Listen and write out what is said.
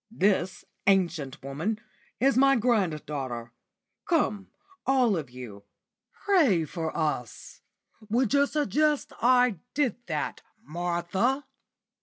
This ancient woman is my granddaughter. Come, all of you, pray for us'? Would you suggest I did that, Martha?"